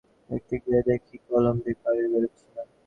লিখতে গিয়ে দেখি কলম দিয়ে কালি বেরুচ্ছে না।